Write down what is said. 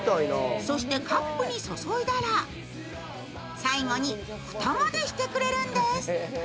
そしてカップにそそいだら最後に蓋までしてくれるんです。